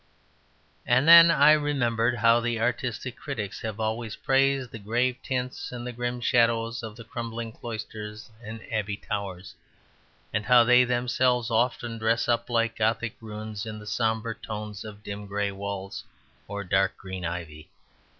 And then I remembered how the artistic critics have always praised the grave tints and the grim shadows of the crumbling cloisters and abbey towers, and how they themselves often dress up like Gothic ruins in the sombre tones of dim grey walls or dark green ivy.